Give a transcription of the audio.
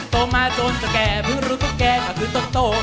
โตมาจนจะแกเพื่อรู้ตกแกก็คือตกโต